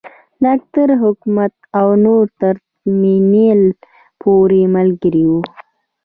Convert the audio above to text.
ډاکټر حکمت او نور تر ترمینل پورې ملګري وو.